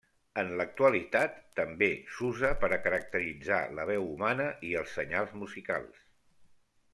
En l'actualitat també s'usa per a caracteritzar la veu humana i els senyals musicals.